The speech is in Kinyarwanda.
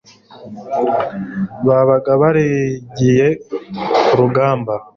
babaga barigiriye ku rugamba.